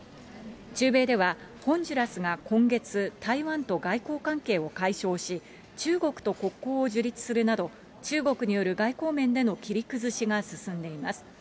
中米では、ホンジュラスが今月、台湾と外交関係を解消し、中国と国交を樹立するなど、中国による外交面での切り崩しが進んでいます。